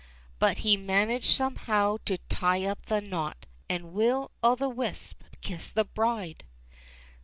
But he managed somehow to tie up the knot, And Will o' the wisp kissed the bride.